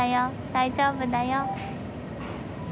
大丈夫だよ。